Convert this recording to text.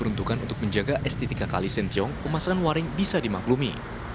untuk menjaga estetika kalisintyong pemasangan waring bisa dimaklumi